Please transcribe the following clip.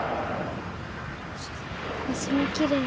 星もきれい。